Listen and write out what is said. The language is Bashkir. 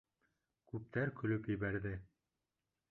Күптәр көлөп ебәрҙе.